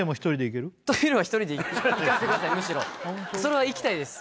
はいそれはいきたいです